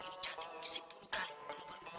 ini cantik musik sepuluh kali